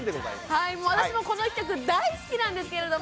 はい私もこの企画大好きなんですけれども。